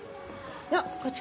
あっ！